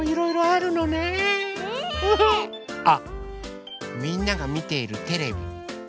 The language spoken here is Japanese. あっみんながみているテレビ。